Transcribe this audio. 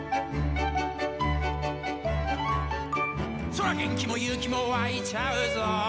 「そら元気も勇気もわいちゃうぞ」